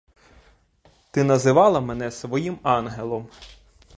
Ти називала мене своїм ангелом.